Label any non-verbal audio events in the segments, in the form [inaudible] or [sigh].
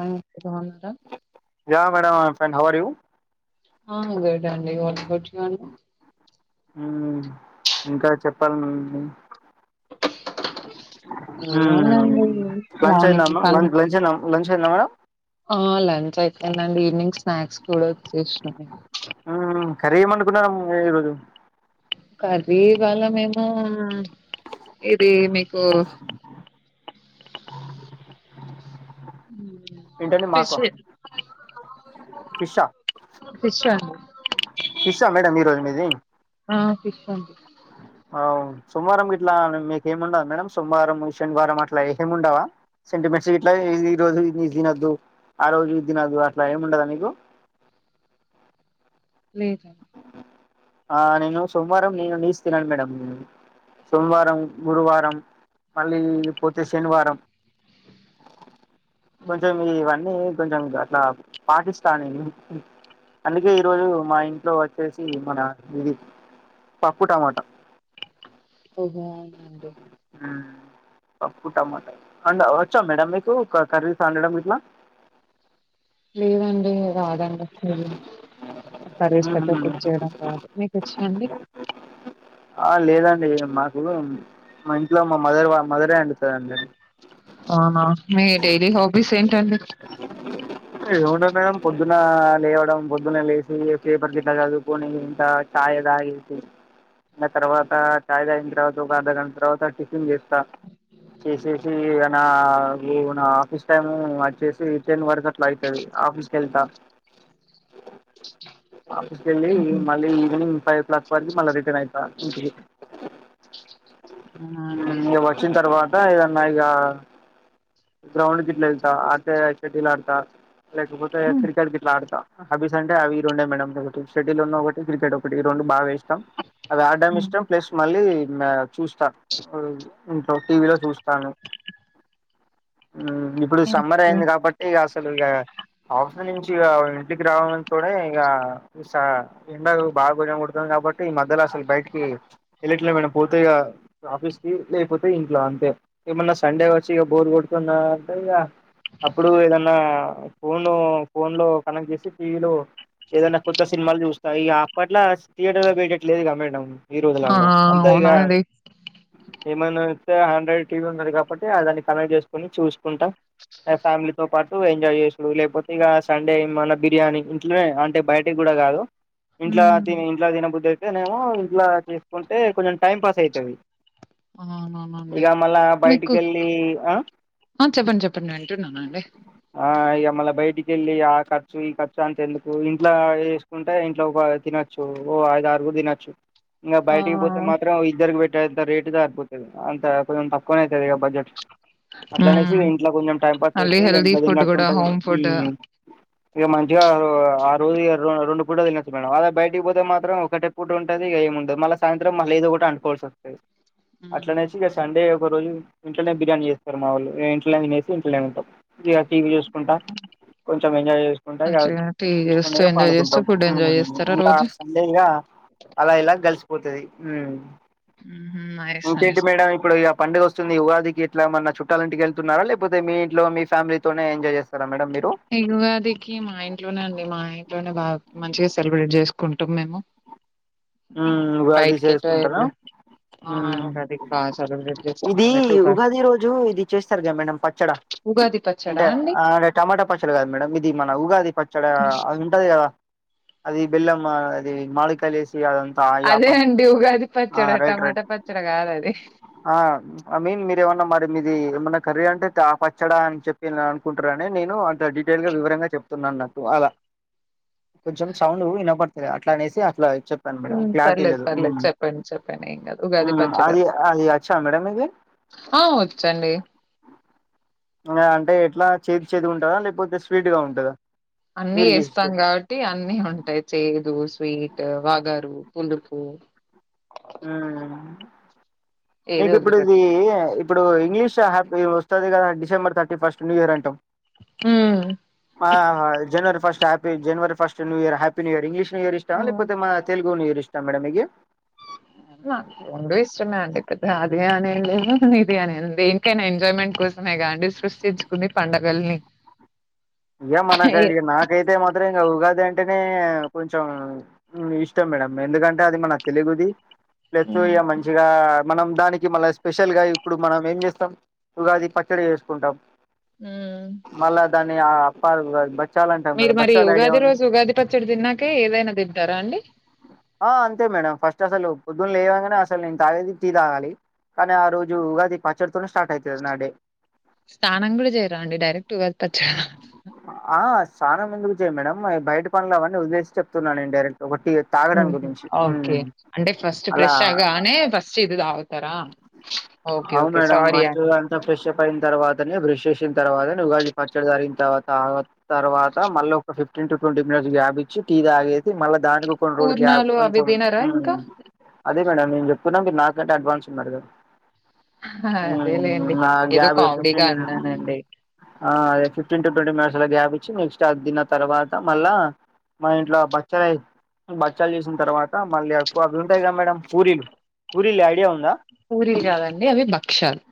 బాగున్నారా yeah madam I am fine how are you ఆగటండిటిండి ఇంకా చెప్పాలండి ఏముందండి లంచ్ మార్నింగ్ అయిదమ్మా పన్ లంచ్ లంచ్ అయిందా లంచ్ అయిందా మేడం ఆ లంచ్ అయిపోందండి ఈవినింగ్ స్నాక్స్ కూడా వచ్చేస్తున్నాయి కర్రీ ఏం వండుకున్నారు ఉ ఈరోజు కర్రీ ఇవళ్ళ మేము ఇది మీకు ఏంటండీ ఫిష్ మాక ఫిషా ఫిష్ అండి ఫిష్ ఆ మేడమ్ ఈ రోజు మీది ఆ ఫిష్ అండి అవు సోమవారం ఇట్లా మీకు ఏమిండద మేడం సోమవారం శనివారం అట్లా ఏమిండవా సెంటిమెంట్స్ ఇట్లా ఈ రోజు నీస్ తినద్దు ఆ రోజు ఇడి తినదు అట్లా ఏముండదా మీకు లేదండి ఆ నేను సోమవారం నను నీస్ తనను మేడామ్ సోమవారం గురువారం మళ్ళీ పోతే శనివారం కొంచెం ఇవన్నీ కొంచెం అట్లా పాటిస్తాను అందుకే ఈరోజు మా ఇంట్లో వచ్చేసి మన ఇది పప్పు టమాటా ఓహో అవునండి పప్పు టమాటా అ వచ్చా మేడం మీకు కర్రీస్ అండడం ఇట్లా లేదండి రాదండి కర్రీస్ అట్లా కుక్ చేయడం రాదు మీకు వచ్చా అండి ఆ లేదండి మాకు మా ఇంట్లో మా మదర్ మదరే అండి పెడతది అవునా మీ డైలీ హాబీస్ ఏంటండి ఏముంటది మేడమ్ పొద్దున లేవడం పొద్దున లేసి పేపర్ గిట్ట చదువుకొని ఇంత ఛాయ్ తాగేసి తర్వాత ఛాయ్ తాగిన తర్వాత ఒక అర్ధ గంట తర్వాత టిఫిన్ చేస్తా చేసేసి అ నా నా ఆఫీస్ టైమ్ వచ్చేసి టెన్ వరకు యితది ఆఫీసుకెళ్తా ఆఫీస్ కెళ్ళి ఆహా మళ్ళీ ఈవినింగ్ ఫైవ్ క్లాక్ వరకి మల్ల రిటర్న్ అయిత ఇంటికి అవునా అండి ఇగ వచ్చిన తర్వాత ఏదన్నా ఇగా గ్రౌండ్ గిట్ల ఏళ్తా ఆడితే సెటిల్ ఆడుత లేకపోతే క్రికెట్ గిట్ల ఆడుతా హబీస్ అంటే అవి రెండే మేడం ఒక షటిల్ ఉన్న ఒకటి క్రికెట్ ఒకటి ఈ రెండు బాగా ఇష్ట అది ఆడడం ఇష్టం ప్లస్ మళ్ళీ చూస్తా ఇంట్లో టీవీలో చూస్తాను ఇప్పుడు సమ్మర్ ఓకే అయింది కాబట్టి ఇక అసలు ఇక ఆఫీస్ నుంచి ఇంటికి రావడం తోనే ఇగా ఎండ బాగా ఎండ కుడుతుంది కాబట్టి ఈ మధ్యలో అసలు బయటికి ఎల్లట్లే మేడమ్ పోతే ఆఫీస్ కి లేకపోతే ఇంట్లో అంతే ఏమన్నా సండే వస్తే బోర్ కొడుతున్న అంటే ఇక అప్పుడు ఏదన్నా ఫోను ఫోన్ లో కనెక్ట్ చేసి టీవీలో ఏదైనా కొత్త సినిమాలు చూస్తా ఇగ అప్పట్లాగా థియేటర్ ల పోయేటట్లేదుగా మేడం ఈ రోజు ఆ లల్లో అంతే ఇగ అవునా అండి ఏమైనొస్తే ఆండ్రాయిడ్ టీవీ ఉన్నాది కాబట్టి అ దానికి కనెక్ట్ చేసుకొని చూసుకుంటా ఫ్యామిలీతో పాటు ఎంజాయ్ చేసుడు లేకపోతే ఇక సండే ఏమన్నా బిర్యానీ ఇంట్లోనే అంటే బయట కూడా కాదు ఇంట్లా ఉమ్ తిన తినబుద్ధి అయితేనేమో ఇట్లా చేసుకుంటే కొంచెం టైం పాస్ అయితది అవునవునండి ఇగా మళ్ళా మీకు బయటికిళ్ళ ఆ ఆ చెప్పండి చెప్పండి వింటున్నానండి ఆ ఇగ మల్ల బయట ఇకెళ్ళి ఆ ఖర్చు ఈ ఖర్చు అంత ఎందుకు ఇంట్లో చేసుకుంటే ఇంట్లో తినొచ్చు ఓ ఐదు గురు తినొచ్చు ఇంకా ఆ బయటికి పోతే మాత్రం ఇద్దరికి పెట్టేంత రేటుగా అంత కొంచెం తక్కువనే అయితడిగా బడ్జెట్ అట్లా అనేసి ఉమ్ ఇంట్లో కొంచెం టైం పాస్ చేస్ మళ్ళీ ఇగ హెల్దీ ఇంట్లో ఫుడ్ కూడా తిన్నట్టుంటా హోమ్ ఫుడ్ హ్మ ఇక మంచిగా ఆ రోజు [unintelligible] రెండు ఇప్పుడో తినచ్చు మేడం అదే బయటికి పోతే మాత్రం ఒకటె పూట ఉంటది ఏముండదు మళ్ళ సాయంత్రం మళ్ళ ఏదోటి అనుకోవాల్సి వస్తుంది హ్మ్. అట్లానేచ్చి ఇక సండే ఒక రోజు ఇంట్లోనే బిర్యానీ చేస్ ర్ మా వాళ్ళు ఇంట్లో తినేసి ఇంట్లోనే ఉంటాం ఇక టీవీ చూసుకుంటా కొంచెం ఎంజాయ్ చేసుకుంటా ఇగ మంచిగా టీ చేస్తూ తీసుకునేగా ఎంజాయ్ చేస్తూ పాడుకుంటాం ఫుడ్ ఎంజాయ్ చేస్తారా ఇంకా రోజు సండేగా అలా ఇలా గడిస్ పోతది హ్మ్ హుహు. నైస్ ఇంకేంటి నైస్ మేడం ఇప్పుడు ఇగ పండుగ వస్తుంది ఉగాదికి ఎట్లా మన్నా చుట్టాలీటికి వెళ్తున్నారా లేపోతే మీ ఇంట్లో మీ ఫ్యామిలీతోోనే ఎంజాయ్ చేస్తారా మేడం మీరు ఈ ఉగాదికి మా ఇంట్లోనే అండి మా ఇంట్లోనే బాగా మంచిగా సెలబ్రేట్ చేసుకుంటాం మేము హ్మ ఉగాది బయటికి ఎటు చేసుకుంటరా వెళ్ళు ఆ హ్మ్ ఉగాదికి బాగా సెలబ్రేట్ ఇది చేసుకుంటాం ఎటు ఉగా ఉగాది రోజు ఇది చేస్తారు కద మేడం పచ్చడా ఉగాది పచ్చడా అంటే అండి ఆ టమాటా పచ్చడి కాదు మేడం ఇది మన ఉగాది పచ్చడి అది ఉంటది కదా అది బెల్లం ఆ అది మమీడికాయ లేసి అదంత అదే యాపక్ అండి ఉగాది ఆ పచ్చడ రైట్ రైట్ టమాటా పచ్చడ కాదు అది ఆ ఆ మీన్ మీరయామన్నా మీది ఏమన్నా కర్రీ అంటే తాఫచ్చడా అని చెప్పిన్ల్ కుంటరు అని నేను అంత డీటెయిల్ గా వివరంగా చెప్తున్నాట్టు అలా కొంచెం సౌండ్ వినపడ్తలే అట్లానేసి అట్లా చెప్పాను మేడమ్ హ్మ్. క్లారిటీ పర్లేదు, లేదు పర్లేదు. చెప్పండి, చెప్పండి. ఏం గాదు. ఉగాది హ్మ పచ్చడా. అది అది అచ్చ మేడమ్ ఇది ఆ వచ్చండి అంటే ఎట్లా చేదు చేదు ఉంటందా లేకపోతే స్వీట్ గా ఉంటదా అన్ని మీరు చేస్తే వేస్తాం కాబట్టి అన్ని ఉంటాయి చేదు స్వీట్ వగరు పులుపు హ్మ ఏది మీకు ఇప్పుడు ఇది వదిలిపెట్టం. ఇప్పుడు ఇంగ్లీష్ హ్యాపీ వస్తది కదా డిసెంబర్ థర్టీఫర్స్ట్ న్యూ ఇయర్ అంటం హ్మ్. ఆ జనవరి ఫస్ట్ హపీ జనవరి first new year happy new year English new year ఇష్టామా హ్మ్. లేకపోతే మన తెలుగు న్యూ ఇయర్ ఇష్టామా మేడమ్ మీకీ రెండు ఇష్టమే అండి పెద్ద ఇది అన్నెం లేదు ఇదిఅనిలేద్ దేనికైనా ఎంజాయ్మెంట్ కోసమే కాండి సృష్టించుకుంది పండుగల్ని ఇ మన క నా కైతే మాత్ర [unintelligible] ఉగాది అంటేనే కొంచెం ఇష్టం మేడం ఎందుకంటే అది మన తెలుగుది ప్లస్ ఇగ హ్మ్. మంచిగా మనం దానికి మళ్ళా స్పెషల్ గా ఇప్పుడు మనం ఏం చేస్తాం ఉగాది పచ్చడి చేేసుకుంటాం హ్మ [unintelligible] మీరు కదా మరి బచ్చాలు ఐడియా ఉగాది ఉందా రోజు ఉగాది పచ్చడి తిన్నాకే ఏదైనా తింటారా అండి ఆ అంతే మేడం ఫస్ట్ అసలు పొద్దున్న లేవంగానే అసలు నేను తాగేది టీ తాగాలి కానీ ఆ రోజు ఉగాది పచ్చడితోనే స్టార్ట్ అవుతాది నా డే స్నానం కూడా చేయరా అండి డైరెక్ట్ ఉగాది పచ్చడ ఆ స్నానం ఎందుకు చేయం మేడం బయట పనులు అవన్నీ వదిలేసి చెప్తున్నాను నేనుడైరెక్ట్ ఒకటి హ్మ హ్మ ఓకే అంటే ఫస్ట్ అలా ఫ్రెష్ ఆగానే ఫస్ట్ ఇది తాగుతారా ఓకే. అవును ఓకే. మేడమ్ సారీ ఫస్ట్ అండి. అంత ఫ్రెష్ అప్ అయి తర్వాతనే బ్రష్ చేసిన తర్వాతనే ఉగాజీ పచ్చడి జరిగిన తర్వాత తర్వాత మళ్ళీ ఒక fifteen to twenty minutes gap ఇచ్చి టీ తాగేసి మళ్ళా దానికి కొన్ని రోజులు గ్యాప్ పూర్ణాలు అవి కొంచెం తినరా ఊ ఇంకా? అద్ అదే మేడం చెప్తున్న మీర్ నాకన్న అడ్వాన్స్ ఉన్నరు కదా ఊ అదేలెండి. ఆ ఏదో గ్యాప్ ఇగ కామెడీగా ఫిఫ్టీన్ మిను ఊ అన్నానండి. ఆ అదే ఫఫ్టీన్ టు ట్వంటీ మినట్స్ అలా గ్యాపిచి నెక్స్ట్ అది తిన్న తర్వాత మళ్ళా మా ఇంట్లో ఆ బచ్చలయి బచ్చాలు చేసిన తర్వాత మళ్ళీ ఎక్కువ అవి ఉంటాయి కద మేడం పూరీలు పూరిలు ఐడియా ఉంద పూరీలు కాదండి అవి భక్షాలు.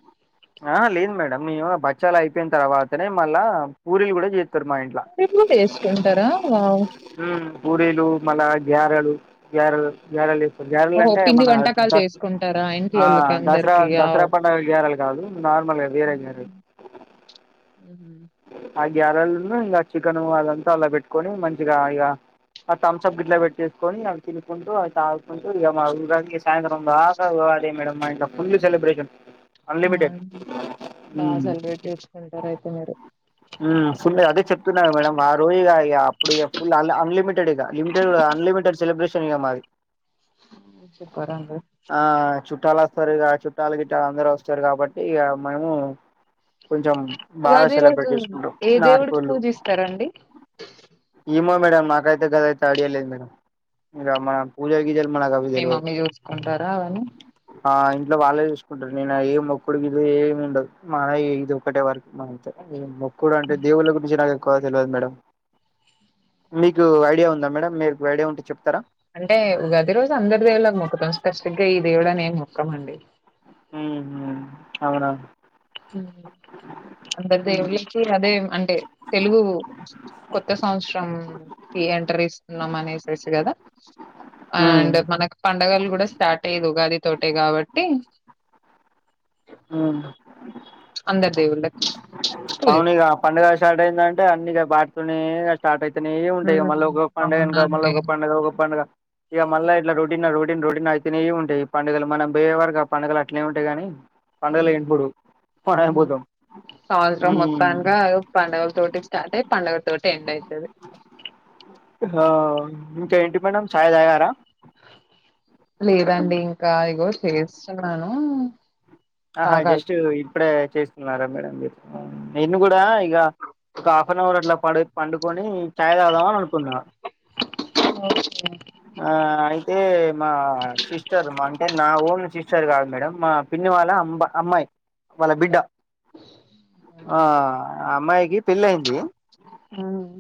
ఆహ లేదు మేడం మేము బచ్చాలు అయిపోయిన తర్వాతనే మళ్ళా పూరిలు కూడా చేత్ విబుదేస్కుంటరా వావ్ పూడిలు మళ్ళా గ్యారెలు గారెల్ గారెల్ దె గారెలు ఓహో! అంటే పిండి మన వంటకాలు ద చేసుకుంటారా ఆ దసరా ఇంట్లోళ్ళకందరికి? దసరా వావ్! పండగ గారెలు గాదు నార్మల్ గ వేరే గారెలు హ్మ్. హుహు. ఆ గ్యారెలును ఇంగ ఆ చికెను అదంతా అలా పెట్టుకొని మంచిగా ఇక ఆ థమ్స్ అప్ గిట్లా పెట్ చేసుకొని అవి తినుకుంటూ అవి తాగుకుంటూ ఇగ మా ఉగాది ఇగ సాయంత్రం దాక ఉగాదే మేడమ్ మా ఇంట్ల ఫుల్లు సెలిబ్రేషన్ ఆ! అన్లిమిటెడ్ ఊ బా సెలబ్రేట్ చేసుకుంటారయితే మీరు. ఊ ఫుల్ అదే చెప్తున్న కదా మేడం ఆ రోజుగా ఇగ అప్పుడు ఇగ ఫుల్ అన్లిమిట్ లిమిటెడ్ ఇగ అన్లిమిటెడ్ సెబ్రేషన్ ఇగ మాది సూపర్ అండి. ఆ చుట్టాలస్ సరిగా చుట్టాల గిట్టల్ అందరూ వస్తారు కాబట్టి ఇక మేము కొంచెం బాగాస్ ఉగాది రోజు సెలబ్రేట్ చేసుకుంటాం ఏ దేవుడికి నాటకోళ్ళు పూజిస్తారండి? ఇమో మేడం నాకైతే గదయితే స్టాడ్ జేయలేదు మేడం ఇగ మనం పూజలు గీజలు మనకు అవి మీ తెలవదు మమ్మీ చూసుకుంటారా అవని ఆ ఇంట్లో వాళ్ళే చూసుకుంటరు నేను ఏ మొక్కుడు గిట్ల ఏం ఉండదు మాన ఇది ఒకటే వర్కు మా అంతె అది మొక్కుడు అంటే దేవుళ్ళ గురించి నాకు క్కువ తెలియదు మేడం మీకు ఐడియా ఉందా మేడం మీర్ ఐడియా ఉంటే చెప్ అంటే ఉగాది రోజు అందరి దేవుళకు మొక్కుతాం స్పెసిఫిక్ గా ఈ దేవుడనేం మొక్కం అండి ఊ అవునా అండీ ఊ అంత దేవురించి అదే అంటే తెలుగు కొత్త సంవత్సరం కి ఎంటర్ ఇస్తున్నాం అనేసేసి కదా ఉమ్ అండ్ మనకు పండగలు కూడా స్టార్ట్ అయ్యేది ఉగాది తోటే కాబట్టి ఊ అందరి దేవుళ్ళకి పూజిస్తాం. అవునిగా పండగ స్టార్ట్ అయిందం అంటే అన్నిగా బాటితోనే స్టార్ట్ అయి తనే ఉంటయి ఇగ మళ్ళ హ్మ్ ఒక పండగ వెనుక మళ్ళ అవునండి ఒక పండుగ ఒక పండుగ ఇక మళ్ళా ఇట్లా రొటిన రో రన్ రొటినయితనే ఉంటయి పడుగలు మనం బొయేవరకు ఆ పండగలు అట్నే ఉంటయి కాని పండగ లే ఇప్పుడు మనమేం హ్మ్. బోతం సంవత్సరం మొత్తంగా పండుగల తోటి స్టార్ట్ అయి పండుగల తోటి ఎండ్ ఐతది హా ఇంకా ఏంటి మేడం చాయ్ తాగారా లేదండి ఇంకా ఇగో చేస్తున్నాను ఆహా తాగాలి. జస్ట్ ఇప్పుడే చేస్తున్నారా మేడం మీరు ఊ నేన్ కూడా ఇగ ఒక హాఫ్ అన్ అవర్ అట్లా పడి పండుకొని ఛాయ్ తాగుదాం అని అనుకున్న హ్మ్ ఆ అయితే మా సిస్టర్ అంటే నా ఓన్ సిస్ సిస్టర్ కాదు మేడం మా పిన్ని వాళ్ళ అంబ అమ్మాయి వాళ్ళ బిడ్డ ఆ ఆ అమ్మాయికి పెళ్ళి అయింది హ్మ్.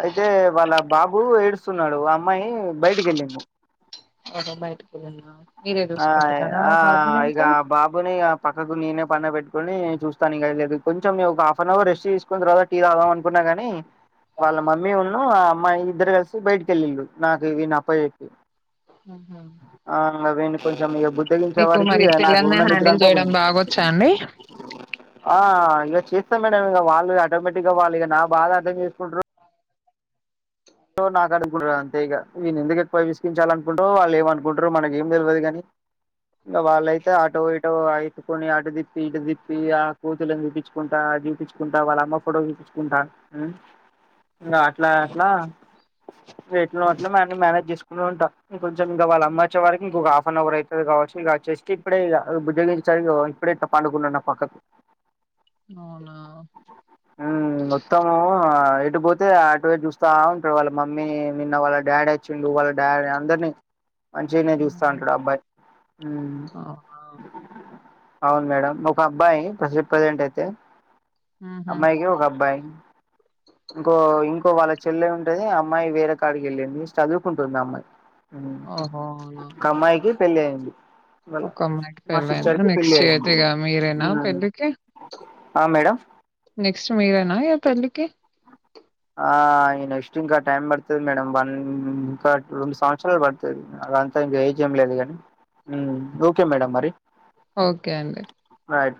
అయితే వాళ్ళ బాబు ఏడుస్తున్నడు ఆ అమ్మాయి బయటికి వెళ్ళింది ఓహో బయటికి వెళ్లిందా ఆయ్ ఆ ఇగ ఆ బాబుని ఇగ పక్కకు నేనే పండ పెట్ కొని చూస్తా ఇగ లేదు కొంచెం ఒక హాఫ్ అన్ అవర్ రెస్ట్ తీసుకున్న తర్వాత టీ తాగుదాం అనుకున్నా కాని వాళ్ళ మమ్మీ ఉన్ను ఆ అమ్మాయి ఇద్దరు కలిసి బయటికిళ్ళిళ్ళు నాకు ఈన్ అప్ప ఎప్పి ఆహా. ఆ అండ్ల వయిండ్లు కొంచెం మీ బతిగించే మీకు వారికి మరి నాకు పిల్లల్ని ఉన్న నిద్ర హ్యాండిల్ అంతా చేయడం కొంచం బాగొచ్చా అండి ఆ ఇక చేస్తాం మేడం ఇక వాళ్ళు ఆటోమేటిక్గా వాళ్ళు ఇక నా బాధ అర్థం చేసుకుంటారు సో నాకు అనుకుంటారు అంతేక ఈను ఎందుకు ఎక్కువ విస్కించాలనుకుంటారు వాళ్ళు ఏమనుకుంటారు మనకు ఏం తెలియదు కాని ఇంకా వాళ్ళైతే అటో ఇటో అతుకొని అటు తిప్పి ఇటు తిప్పి ఆ కూతులు దిప్పించుకుంటా చూపించుకుంటా వాళ్ళ అమ్మ ఫోటో చూపించుకుంటా ఇంకా అట్లా అట్లా రేట్ అట్ల మన్ని మేనేజ్ చేసుకు ఉ ఇ కొంచెంక వాళ్ళ అమ్మ వచ్చే వకింక హాఫ్ అవ అవుయిది కావచ్చ ఇంకా వచ్చే ఇప్పుడే ఉద్యోగ ఇప్పుడే తప్పడుకున్నాన్న పక్కకు అవునా మొత్తమ ఎటు పోతే అటవే చూస్తా ఉనా ఇక్కడ వాళ్ళ మమ్మీ నిన్న వాళ్ళ డాడీ వచ్చిండు వాళ్ళ డాడీ అందరినీ మంచిగానే చూస్తా ఉమ్. ఉంటాడుబ్బట్ అవునా అవును మేడం ఒక అబ్బాయి ప్రస ప్రజెంట్ అయితే ఉహు అమ్మాయికి ఒక అబ్బాయి ఇంకో ఇంకో వాళ్ళ చెల్లె ఉ అమ్మాయి వేరే కాడికి వెళ్ళింది చదువుకుంటుంది అమ్మాయి ఓహో అవునా ఒక అమ్మాయికి పెళ్ళి అయ్యంది వాళ ఒక అమ్మాయికి మా సిస్టర్ పెళ్ళయిందా కి పెళ్ళి నెక్స్ట్ ఇయర్ అయ్యంది ఇగ మీరేనా పెళ్ళికి ఆ మేడమ్ నెక్స్ట్ మీరానా ఈగ పెళ్లికి ఆ ఇ నెక్స్ట్ ఇంకా టైమ్ బర్తుది మేడ వంద ఇంకా రెండు సంవత్సరాలు బడుతుది అ అంతా ఏజ్ ఏం లేదు కానీ ఓకే మేడం మరి ఓకే అండి రైట్